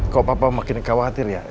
kok papa makin khawatir ya